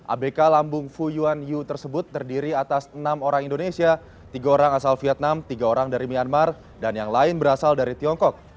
abk lambung fuyuan yu tersebut terdiri atas enam orang indonesia tiga orang asal vietnam tiga orang dari myanmar dan yang lain berasal dari tiongkok